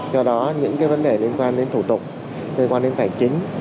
do đó những vấn đề liên quan đến thủ tục liên quan đến tài chính